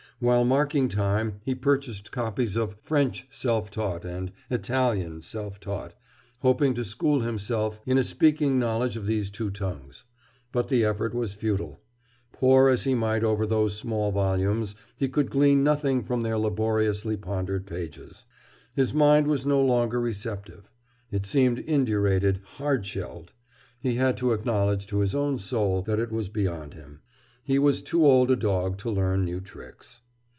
While marking time he purchased copies of "French Self Taught" and "Italian Self Taught," hoping to school himself in a speaking knowledge of these two tongues. But the effort was futile. Pore as he might over those small volumes, he could glean nothing from their laboriously pondered pages. His mind was no longer receptive. It seemed indurated, hard shelled. He had to acknowledge to his own soul that it was beyond him. He was too old a dog to learn new tricks.